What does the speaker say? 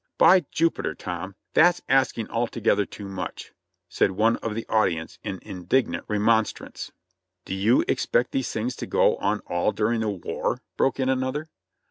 "By Jupiter, Tom ! that's asking altogether too much," said one of the audience in indignant remonstrance. "Do you expect these things to go on all during the war?" broke in another.